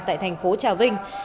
tại thành phố trà vinh